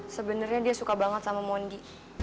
sebenarnya dia suka banget sama mondi